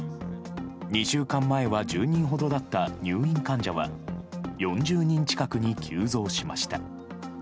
２週間前は１０人ほどだった入院患者は、４０人近くに急増しました。